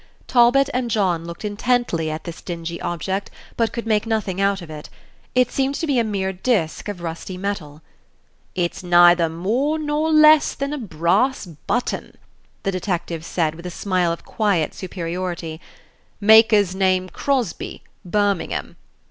Talbot and John looked intently at this dingy object, but could make nothing out of it. It seemed to be a mere disk of rusty metal. "It's neither more nor less than a brass button," the detective said, with a smile of quiet superiority; "maker's name Crosby, Birmingham.